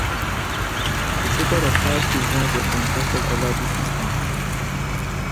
A total of five events were contested over this distance.